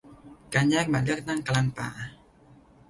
การแยกบัตรเลือกตั้งกลางป่า